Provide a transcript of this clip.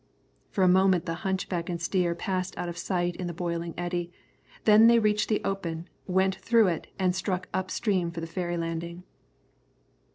For a moment the hunchback and the steer passed out of sight in the boiling eddy, then they reached the open, went through it, and struck up stream for the ferry landing.